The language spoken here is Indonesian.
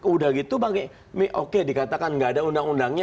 udah gitu oke dikatakan gak ada undang undangnya